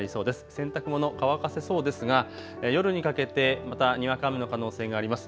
洗濯物、乾かせそうですが、夜にかけてまたにわか雨の可能性があります。